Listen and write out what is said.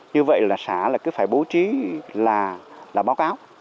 như vậy là xã cứ phải bố trí là báo cáo